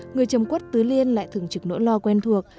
người chồng cốt tứ liên lại thửng trực nỗi lo quen thuộc